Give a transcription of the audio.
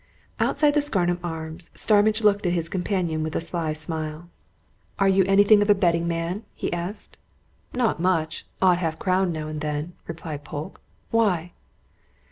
Outside the Scarnham Arms, Starmidge looked at his companion with a sly smile. "Are you anything of a betting man?" he asked. "Naught much odd half crown now and then," replied Polke. "Why?"